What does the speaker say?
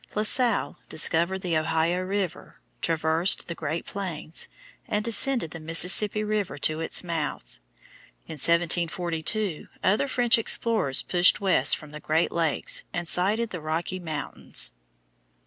La Salle discovered the Ohio River, traversed the Great Lakes, and descended the Mississippi River to its mouth. In 1742 other French explorers pushed west from the Great Lakes and sighted the Rocky Mountains.